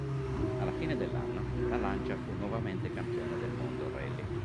Alla fine dell'anno la Lancia fu nuovamente Campione del Mondo Rally.